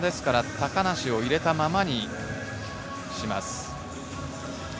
高梨を入れたままにします。